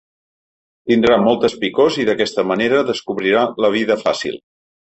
Tindrà moltes picors i d’aquesta manera descobrirà la vida fàcil.